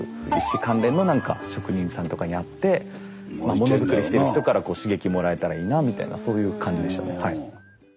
石関連の何か職人さんとかに会ってものづくりしてる人からこう刺激もらえたらいいなみたいなそういう感じでしたね。